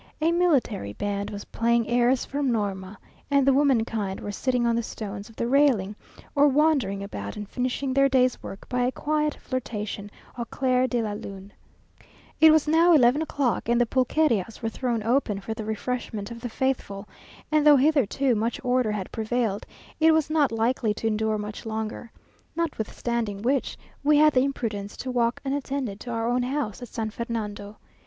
A military band was playing airs from Norma, and the womankind were sitting on the stones of the railing, or wandering about and finishing their day's work by a quiet flirtation au clair de la lune. It was now eleven o'clock, and the pulquerias were thrown open for the refreshment of the faithful, and though hitherto much order had prevailed, it was not likely to endure much longer; notwithstanding which, we had the imprudence to walk unattended to our own house, at San Fernando.